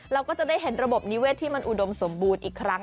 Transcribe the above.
เราก็จะได้เห็นระบบนิเวศที่มันอุดมสมบูรณ์อีกครั้ง